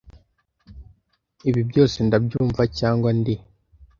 Ibi byose ndabyumva cyangwa ndi.